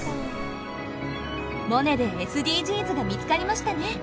「モネ」でＳＤＧｓが見つかりましたね。